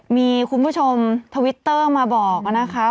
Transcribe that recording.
มีคุณผู้ชมทวิตเตอร์มาบอกนะคะ